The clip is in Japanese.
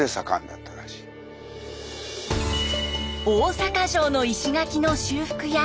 大阪城の石垣の修復や。